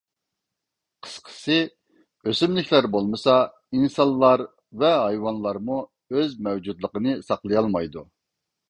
قىسقىسى، ئۆسۈملۈكلەر بولمىسا، ئىنسانلار ۋە ھايۋانلارمۇ ئۆز مەۋجۇتلۇقىنى ساقلىيالمايدۇ.